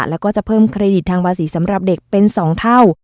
แล้วก็จะเพิ่มเครดิตทางภาษีสำหรับเด็กเป็น๒เท่า